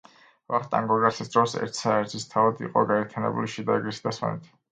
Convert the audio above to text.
ვახტანგ გორგასლის დროს ერთ საერისთავოდ იყო გაერთიანებული შიდა ეგრისი და სვანეთი.